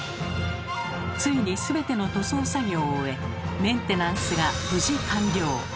ついに全ての塗装作業を終えメンテナンスが無事完了。